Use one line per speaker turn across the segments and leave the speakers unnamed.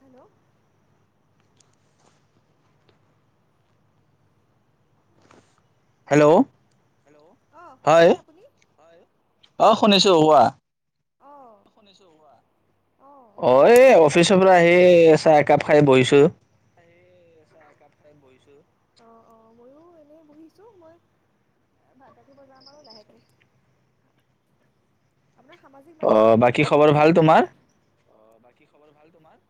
Hello hello hello অ শুনিছেনে আপুনি হয়
অ শুনিছো কোৱা
অহ শুনিছো হোৱা
অ এই অফিচৰ পৰা আহি চাহ এক কাপ খাই বহিছোঁ
চাহ একাপ খাই বহিছো অহ অহ মইয়ো এনেই বহিছো মই ভাতকে বনাম আৰু লাহেকে আপোনাৰ সামাজিক মাধ্যম কিবা আছে নেকি অ বাকী খবৰ ভাল তোমাৰ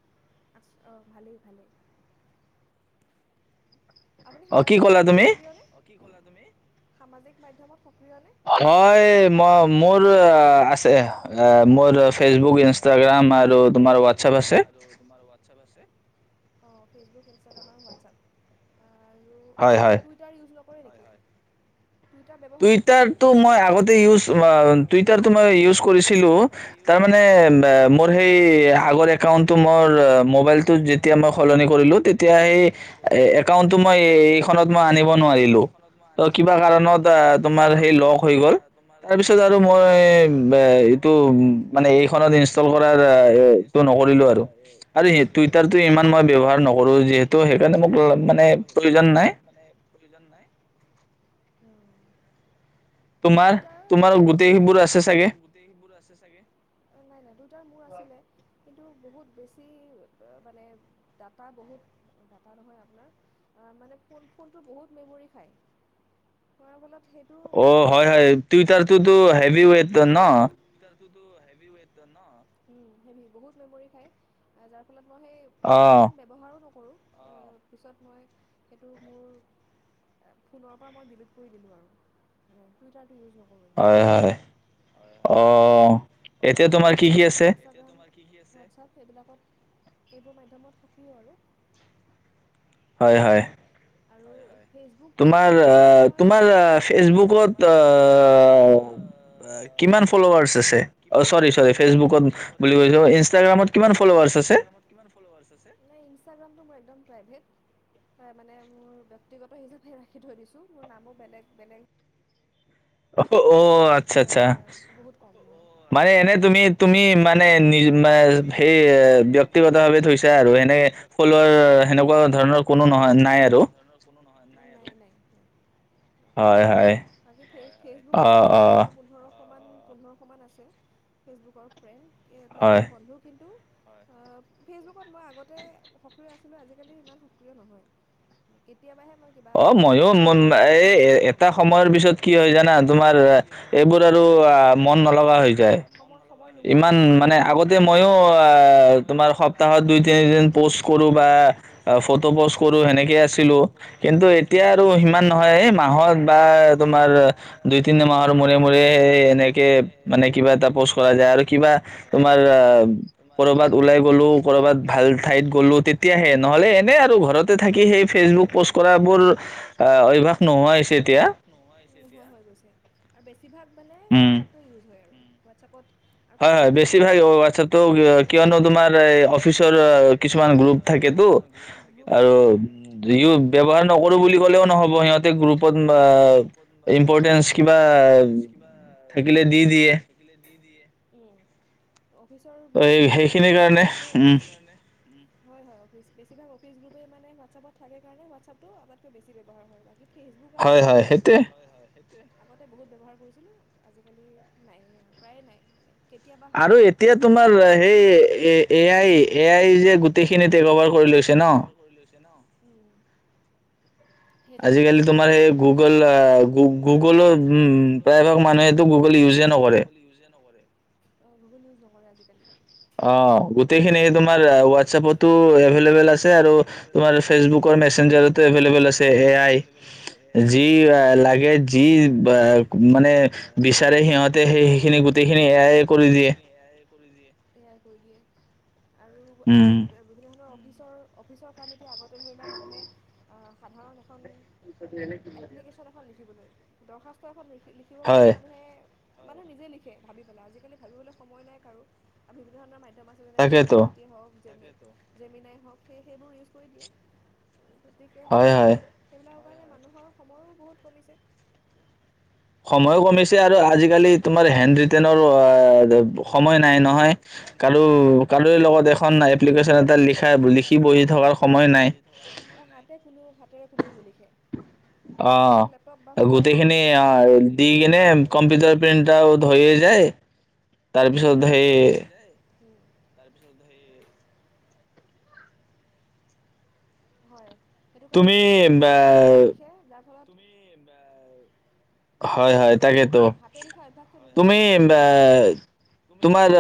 অহ ভালেই ভালেই আপুনি সামাজিক মাধ্যমত সক্ৰিয় নে কি কলা তুমি সামাজিক মাধ্যমত সক্ৰিয় নে হয় ম মোৰ আছে মোৰ ফেচবুক ইনষ্টাগ্ৰাম আৰু তোমাৰ ৱাটছআপ আছে অ‌ ফেচবুক ইনষ্টাগ্ৰাম আৰু হোৱাটছএপ আৰু আৰু টুইটাৰ ইউজ নকৰে
টুইটাৰ মইতে ই টুইটাৰ মই ই কৰিছিলো তাৰ ম সগৰ একাউ মোৰ মাইল যে একাউটটো মই এইখনত মই আনিব নোৱাৰিলো ত কিবা কাৰণত তোমাৰ সেই লগ হৈ গ'ল তাৰপিছত আৰু মই বা এইটো মানে হেৰী খনত ইনষ্টল কৰা আৰু বন্ধ কৰিলো আৰু আৰু সেইটো ব্যৱহাৰ নকৰিলোঁ যে সেইটো মানে ইমান [unintelligible] মানে প্ৰয়োজন নাই
প্ৰয়োজন নাই ম আ নাই নাই ৰ ম আছিল কিন্ত [unintelligible] বুত বেছি মানে ডা বহুত ডা নহয় আপোনাৰ মানে ফ ফোনটো বহুত মেমৰি খাই ফত সেই [unintelligible]
অ হয় হয় তু তাৰ তোহ হেভি ট ন
[unintelligible] ও বহুত মানুহ ন হয় যাৰ ফলত [unintelligible] মই সেই ইমান ব্যৱহাৰো ন পিছত মই স মোৰ ফো পৰা মই ডিলিট কৰি দিলো আৰু টাৰ
হয় হয় তিয়া তোমাৰ কি কি আছে [unintelligible]
এইবিলাকত এইবোৰ মাধ্যমত সকিয় আৰু [unintelligible]
হয় হয়
আৰু চ তমচ কি [unintelligible] একম প্ৰভ মানে [unintelligible] মোৰ ব্যক্তিগত হিচাপে ৰাখি থৈ দিছোঁ মোৰ নামো বেলেগ বেলেগ বাৰ বহুত ক আচছা আচ্ছা খুেই কান মানে এনে তুমি তুমি মানে নি সেই ব্যক্তিগত ভাৱে থৈছা আৰু এনে সেনেকুৱা ধৰণৰ কোনো নহয় নাই ন খুবেই কম বাকী ফে ফেচবুকত আছে বাৰ মোৰ পোন্ধৰ সমান পোন্ধৰশমান আছে ফেচবুকৰ ফ্ৰেণ্ড ফেচবুকৰ বন্ধু কিন্তু অ ফেচবুকত মই আগতে সক্ৰিয় আছিলো আজিকালি ইমান সক্ৰিয় নহয় কেতিয়াবাহে কিবা কোনোবা অ মইো মন নাই এটা সময়ৰ পিছত কি হয় জানা তোমাৰ এইবোৰ আৰু মানে আগতে মইো আহ তোমাৰ সপ্তাহত দুই তিনিদিন পষ্ট কৰো বা ফটো পষ্ট কৰো
কিন্তু এতিয়া আৰু সিমান নহয় এই মাহত বা তোমাৰ যিতি মানে মৰমৰে এই এনেকে মানে [unintelligible] ক'ৰবাত ওলাই গলো ক'ৰবাত ভাল ঠাইত গলো তেতিয়াহে [unintelligible] নহ'লে এনেই আৰু ফেচবুক পৌস্ত কৰা বোৰ অভ্যাস আ নোহোৱা হৈছে এতিয়া
হৈ গৈছে আৰু বেছি বেছিভাগ মানে হোৱাটছাপটো ইউজ হয় আৰু উম ৱাটছপত আৰু ফোনটো টো থাকে আৰু অ বেছিভাগ ৱাটছপটো কিয়নো তোমাৰ এই অফিচৰ কিছুমান গ্ৰুপ থাকে আৰু ইউ ব্যৱহাৰ নকৰো বুলি ক'লেও নহ'ব ইহঁতে গ্ৰু
ইম্পৰ্টেঞ্চ কিবা থাকিলে দি দিয়ে
দিয়ে এ অফিচৰ বে বে মানে বেছি ভাগ গ্ৰুপে ৰাখিছ সে সেইখিনি কাৰণে হয় হয় অফিচ বেছিাগ অফিচ গ্ৰুপেই মানে হোৱাটছপত থাকে কাৰণে ৱাছআপটো আগতকৈ বেছি ব্যৱহাৰ হয় বাকী
হয় হয় সেইটোৱে
সেইটোৱে আগতে বহুত ব্যৱহাৰ কৰিছিলো আজিকালি নাই আৰু প্ৰায়ে নাই মানে কেতিয়াবা হঠাৎ আৰু এতিয়া তোমাৰ সেই এ এ আই এ আই যে গোটেইখিনিতে কভাৰ কৰি লৈছে ন উম
আজিকালি তোমাৰ সেই গুগ গুগলৰ উম প্ৰায় ভাগ মানুহেতো গুগল ইউজে নকৰে
অ গুগল ইউজ নকৰে আজিকালি
অ গোটেইখিনি তোমাৰ হোৱাটছএপতো এভেলএবল আছে আৰু তোমাৰ ফেচবুকৰ মেচঞ্জাৰতো এভেলএবোল আছে এ আই জি
যি লাগে যি মানে বিচাৰে সিহঁতে সেই সেইখিনি গোটেইখিনি এ আই কৰি দিয়ে কৰি দিয়ে আৰু আৰু বিভিন্ন ধৰণৰ অফিচ অফিচৰ অফিচৰ কাম এতিয়া আগতে ধৰি লওক মানুহে সাধাৰণ এখন
ছ লে [unintelligible]
এপ্লিকেশ্যন এখন লিখিবলৈ দৰ্খাস্ত এখন লিখিবৰ কাৰণে মানুহে মানুহে নিজেই লিখে ভাবি পেলাই আজিকালি ভাবিবলৈ সময় নাই কাৰো আৰু বিভিন্ন ধৰণৰ মাধ আছে যেনে চে জি পিট হওক জেমিনাই হওক সেই সেইবোৰ ইউজ কৰি দিয়ে গতিকে সেইবিলাক সময়ো বহুত কমিছে
সময়ো কমিছে
সময়ো কমিছে আৰু আজিকালি তোমাৰ হেণ্ডিটেনৰো আ সময় নাই নহয় কাৰো লগত এখন এপ্লিকেশ্যন এটা লিখা লিখি বহি থকাৰ সময় নাই অ হাতে কোনো হাতেৰে কোনো নিলিখে
অ, গোটেইখিনি আহ দি কিনে কম্পিউটাৰ প্ৰিণ্ট টা ধৈয়ে যায় [inaudible] তাৰপিছত সেই
তাৰপিছত ধেই হয় সেইটো কাৰণে আজিকালি হাতেৰে কোনোও নিলিখে, যাৰ তুমি
হয় হয় তাকেতো, তুমি বা তোমাৰ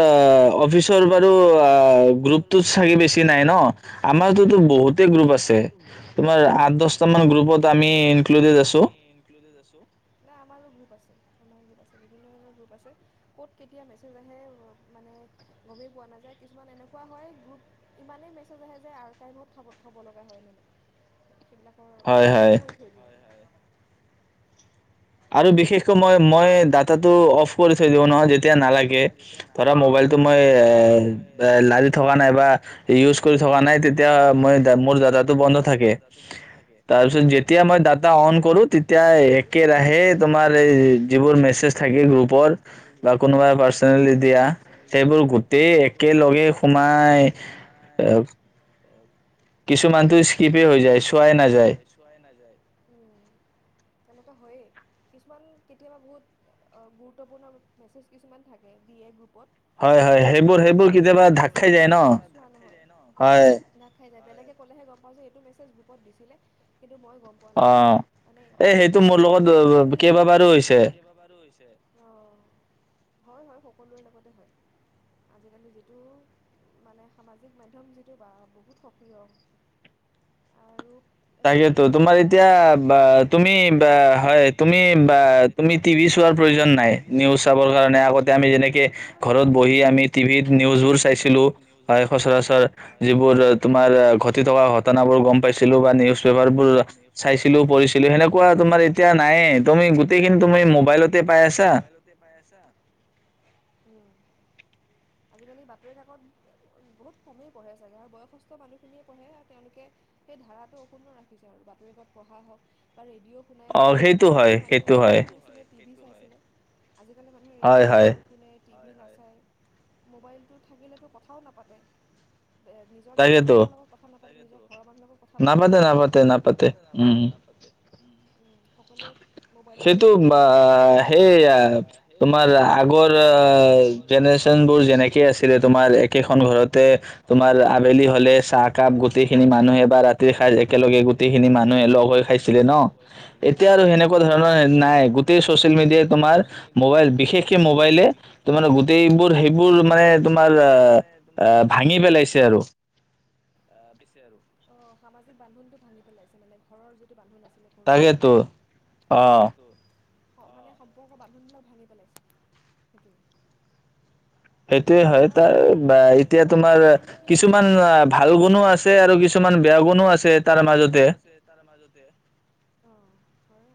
অফিচৰ বাৰু গ্ৰোপটোত ছাগে বেছি নাই ন? আমাৰটো টো বহুতে গ্ৰোপ আছে। তোমাৰ আঠ দছটা মান গ্ৰোপত আমি ইনফ্লুদেট আছো।
আৰু গ্ৰুপ আছে আমাৰ গ্ৰুপ আছে বিভিন্ন ধৰণৰ গ্ৰুপ আছে। ক'ত কেতিয়া মেছেজ আহে মানে গমেই পোৱা নাযায়, কিছুমান এনেকুৱা হয় গ্ৰুপ ইমানেই মেছেজ আহে যে আৰ্কাইভত থ থ'ব লগা হয় মানে সেইবিলাকৰ বা মিউত কৰি থৈ দিয়ে
আৰু বিশেষ মই মই ডাটো অফ কৰি থৈ দিওঁ নহয় যেতিয়া নালাগে। ধৰা মোবাইলতটো মই এ লাৰি থকা নাই বা ইউজ কৰি থকা নাই তেতিয়া মই মোৰ ডাটাটো বন্ধ থাকে, তাৰ পিছত যেতিয়া মই ডাটা অন কৰো তেতিয়া এক ৰাহে সেই তোমাৰ এ যিবোৰ মেছেজ থাকে গ্ৰুপৰ, বা কোনোবাই পাৰ্চনেলি দিয়া সেইবোৰ গোটেই একেলগে সোমাই কিছু
কিছুমানটো স্কিপেই হৈ যায়, চোৱাই নাযায় সেনেকোৱা হয়েই, কিছুমান কেতিয়াবা বহুত গুৰুত্বপূৰ্ণ মেছে কিছুমান থাকে কিন্তু, সেই মেচেজ বিলাক স্ক্ৰিপ হৈ যায়। চোৱা নহয় বেলেকে ক'লেহে গম মই যে এইটো মেছেজ গ্ৰুপত দিছিলে কিন্ত মই গম পোৱা নাই। মানে তাৰ পিছত বহুত, মোৰ লগত কেইবা বাৰু হৈছে। হয় হয় সকলোৰে লগতে হয়। আজিকালি যিটো মানে সামাজিক মাধ্যম যিটো বা বহুত সক্ৰিয়
তাকেতো তোমাৰ এতিয়া বা তুমি বা হয় তুমি বা তুমি টিভি চোৱাৰ প্ৰয়োজন নাই। নিউজ চাবৰ কাৰণে আগতে আমি যেনেকে ঘৰত বহি আমি টিভিত নিউজ বোৰ চাইছিলো হয় সচৰাচৰ যিবোৰ তোমাৰ ঘটি থকা ঘটনা বোৰ গম পাইছিলো বা নিউজ
গম পাইছিলো বা নিউজ পেপাৰ বোৰ চাইছিলো, পঢ়িছিলো, সেনেকুৱা তোমাৰ এতিয়া নাইে তুমি গোটেইখিনি তুমি এতিয়া মোবাইলতে পাই আছা উম। আজিকালি বাতৰি কাকত বহুত কমেই পঢ়ে চাগে আৰু বয়সস্থ মানুহখিনিয়ে পঢ়ে তেওঁলোকে সেই ধাৰাটো অক্ষুন্ন ৰাখিছে আৰু বাতৰিকত পঢ়া হওক বা ৰেডিঅ' শুনাই হওক আগতেো মানুহ ৰেডিঅ'শুনিছিলে - হয়
হয় হয়
টিভি নাচায় মোবাইলটো থাকিলেতো কথাও নাপাতে এ নিজৰ দেউতাক মাকৰ লগত কথা পাৰেতো ঘৰৰ মানুহৰ লগত কথা নাপাতে নাপাতে নাপাতে নাপাতে সকলোৱে মোবাইল টো লৈয়ে বিছি হৈ যাই সেইটো অ সেই অ তোমাৰ আগৰ জেনেৰেচন বোৰ যেনেকে আছিল তোমাৰ একেখন ঘৰতে তোমাৰ আবেলি
গোটেইখিনি মানুহে বা ৰাতিৰ খাই একেলগে গোটেইখিনি মানুহে লগ হৈ খাইছিলে ন এতিয়া আৰু সেনেকুৱা ধৰণৰ নাই গোটেই চচিয়েল মিডিয়াই তোমাৰ মোবাইল বিশেষকে মোবাইলে তোমাৰ গোটেইবোৰ সেইবোৰ মানে তোমাৰ আহ ভাঙি পেলাইছে আৰু
অ সামাজিক বান্ধোনটো ভাঙি পেলাইছে মানে ঘৰৰ যিটো বান্ধোন আছে
তাকেটো অ
মানে সম্পৰ্ক বান্ধোনবিলাক ভাঙি পেলাইছে সেইটোৱে [inaudible] হয়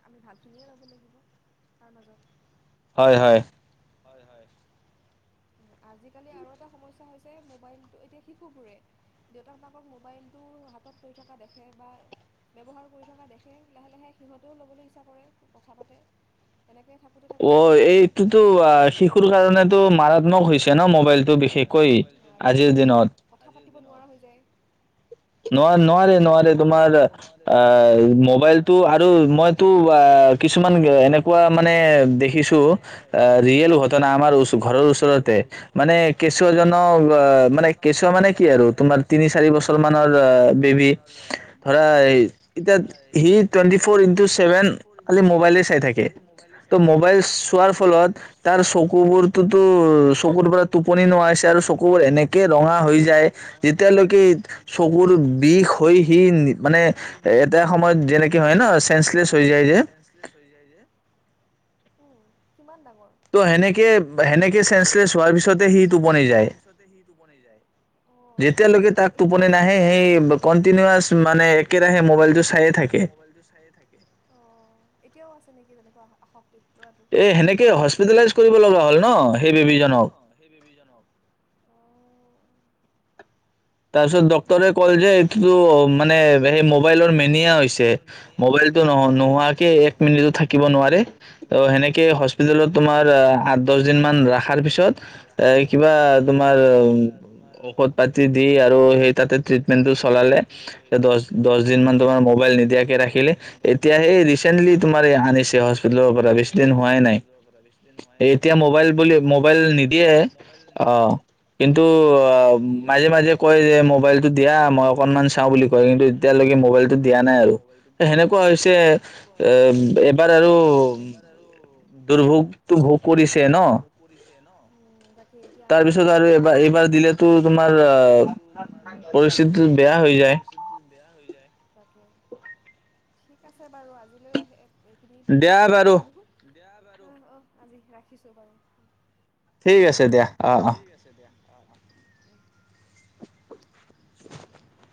আমি ভাল খিনিয়ে ল'ব লাগিব তাৰ মাজত
হয় হয়
[inaudible]
অ এইটো টো শিশুৰ কাৰণেতো মাৰাত্মক হৈছে ন মোবাইলটো বিশেষকৈ আজিৰ দিনত
[inaudible]
ন নোৱাৰে নোৱাৰে তোমাৰ অ মোবাইলটো আৰু মইতো কিছুমান এনেকুৱা মানে দেখিছো ৰিয়েল ঘটনা আমাৰ ঘৰৰ ওচৰতে মানে কেঁচুৱা জনক মানে কেঁচুৱা মানে কি আৰু তোমাৰ তিনি চাৰি বছ ম মানৰ অ বেবি ধৰা এতিয়া সি টুৱেণ্টি ফৰ ইনটু চছেভেন খালি মোবাইলে চাই থাকে ত' মোবাইল চোৱাৰ ফলত তাৰ চকুবোৰতটোতো চকুৰ পৰা টোপনি নোৱা হৈছে আৰু চকুবোৰ এনেকে ৰঙা হৈ যায় যেতিয়ালৈকে চকুৰ বিষ
চবুৰ বিষ হৈ সি মানে এটা সময়ত যেনেকে হয় ন চেন্সলেছ হৈ যায় যে [inaudible] [inaudible] এতিয়াও আছে নেকি তেনেকুৱা [inaudible]
তাৰ পিছত ডক্তৰে ক'ল যে এইটোতো মানে সেই মোবাইলৰ মেনিয়া হৈছে মবাইলটো ন নোহোৱাকে এক মিনিটো থাকিব নোৱাৰে ত সেনেকে হস্পিতেলত তোমাৰ আঠ দহ দিন মান ৰখাৰ পিছত এ কিবা তোমাৰ ঔষধ পাতি আৰু সেই তাতে
[inaudible]
যে কয় যে মোবাইলটো দিয়া মই অকনমান চাওঁ বুলি কয় কিন্তু এতিয়ালৈকে মোবাইলটো দিয়া নাই আৰু। হেনেকুৱা হৈছে এ এবাৰ আৰু দুৰ্ভোগটো ভোগ কৰিছে ন।
সেই এতিয়া আমি আঁতৰাই ৰাখিব লাগে। তাৰ পিছত আৰু এইবাৰ দিলেটো তোমাৰ পৰিস্থিতিটো বেয়া হৈ যায়। ঠিক আছে বাৰু আজিলৈ এইখিনি পাতিলো। দিয়া বাৰু। অ' আজি ৰাখিছো বাৰু।
ঠিক আছে দিয়া।
ঠিক আছে দিয়া। অ অ।
[unintelligible]